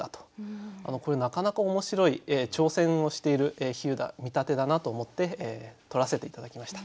これなかなか面白い挑戦をしている比喩だ見立てだなと思ってとらせて頂きました。